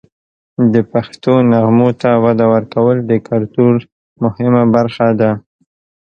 د پښتو نغمو ته وده ورکول د کلتور مهمه برخه ده.